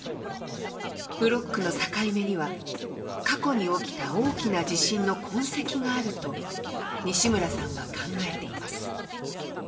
ブロックの境目には過去に起きた大きな地震の痕跡があると西村さんは考えています。